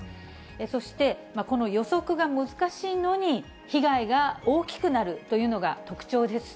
そして、この予測が難しいのに、被害が大きくなるというのが特徴です。